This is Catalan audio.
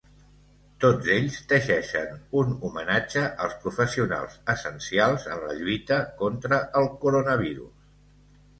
Tots ells teixeixen un “homenatge” als professionals essencials en la lluita contra el coronavirus.